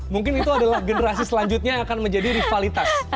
mungkin itu adalah generasi selanjutnya yang akan menjadi rivalitas